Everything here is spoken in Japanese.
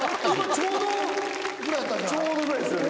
ちょうどぐらいですよね